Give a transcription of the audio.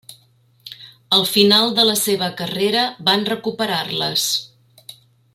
Al final de la seva carrera van recuperar-les.